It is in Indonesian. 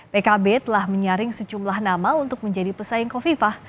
pkb telah menyaring sejumlah nama untuk menjadi pesaing kofifah